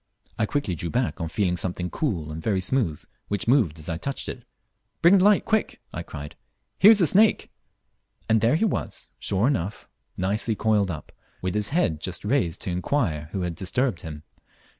I quickly drew back on feeling something cool and very smooth, which moved as I touched it. "Bring the light, quick," I cried; "here's a snake." And there he was, sure enough, nicely coiled up, with his head just raised to inquire who had disturbed him.